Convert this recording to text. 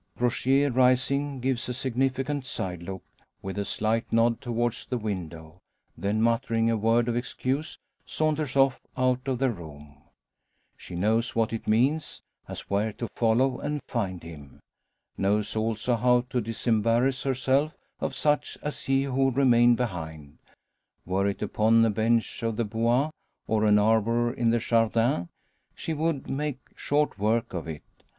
Rogier, rising, gives a significant side look, with a slight nod towards the window; then muttering a word of excuse saunters off out of the room. She knows what it means, as where to follow and find him. Knows also how to disembarrass herself of such as he who remained behind. Were it upon a bench of the Bois, or an arbour in the Jardin, she would make short work of it.